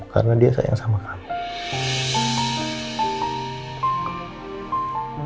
karena dia sayang sama kamu